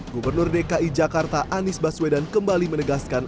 gubernur dki jakarta anies baswedan kembali menegaskan